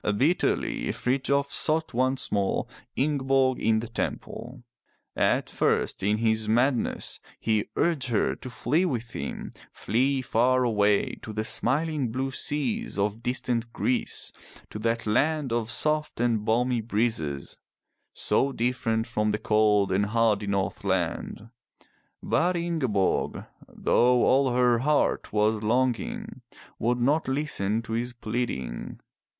'' Bitterly Frithjof sought once more Ingeborg in the temple. At first in his madness he urged her to flee with him, flee far away to the smiling blue seas of distant Greece, to that land of soft and balmy breezes, so different from the cold and hardy north land. But Ingeborg, though all her heart was longing, would not listen to his pleading.